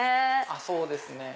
そうですね。